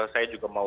saya juga mau